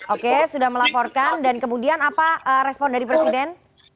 oke sudah melaporkan dan kemudian apa respon dari presiden